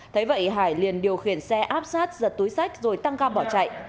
thế vậy hải liền điều khiển xe áp sát giật túi sách rồi tăng cam bỏ chạy